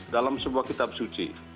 dalam sebuah kitab suci